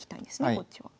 こっちは。